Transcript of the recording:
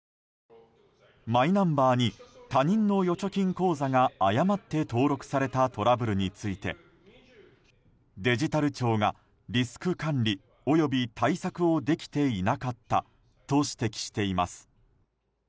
マイナンバーに他人の預貯金口座が誤って登録されたトラブルについてデジタル庁がリスク管理および対策をできていなかったと指摘しています。